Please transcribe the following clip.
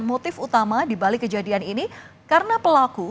motif utama dibalik kejadian ini karena pelaku